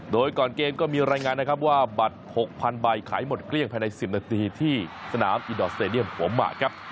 โดยก่อนเกมก็มีรายงานนะครับว่าบัตร๖๐๐๐ใบขายหมดเกลี้ยงภายใน๑๐นาทีที่สนามอินดอร์สเตดียมหัวหมากครับ